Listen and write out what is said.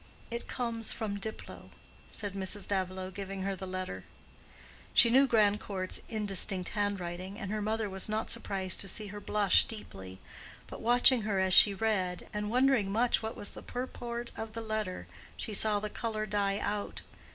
"It comes from Diplow," said Mrs. Davilow, giving her the letter. She knew Grandcourt's indistinct handwriting, and her mother was not surprised to see her blush deeply; but watching her as she read, and wondering much what was the purport of the letter, she saw the color die out.